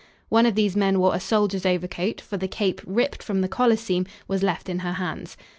One of these men wore a soldier's overcoat, for the cape, ripped from the collar seam, was left in her hands.